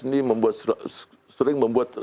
ini membuat sering membuat